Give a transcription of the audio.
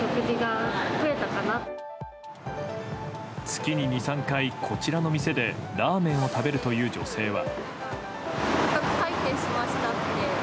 月に２３回、こちらの店でラーメンを食べるという女性は。